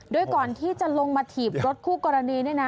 โดยก่อนที่จะลงมาถีบรถคู่กรณี